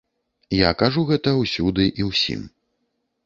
Я кажу гэта ўсюды і ўсім.